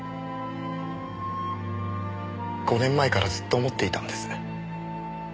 ５年前からずっと思っていたんです。